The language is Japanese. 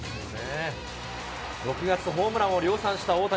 ６月、ホームランを量産した大谷。